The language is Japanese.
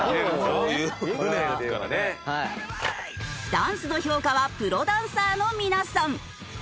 ダンスの評価はプロダンサーの皆さん。